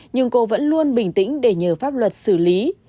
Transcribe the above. nhưng cô vẫn luôn bình tĩnh để nhờ pháp luật xử lý